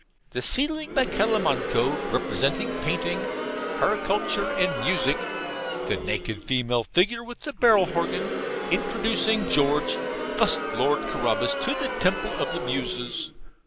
The ceiling, by Calimanco, represents Painting, Harchitecture and Music (the naked female figure with the barrel horgan) introducing George, fust Lord Carabas, to the Temple of the Muses.